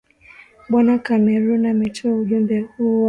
bwana cameron ametoa ujumbe huo akiwa ziarani nchini china